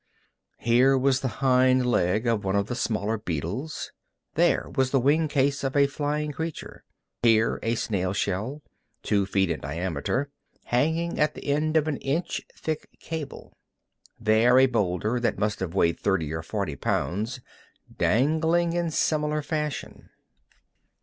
Here was the hind leg of one of the smaller beetles. There was the wing case of a flying creature. Here a snail shell, two feet in diameter, hanging at the end of an inch thick cable. There a boulder that must have weighed thirty or forty pounds, dangling in similar fashion.